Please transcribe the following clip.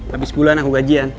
habis bulan aku gajian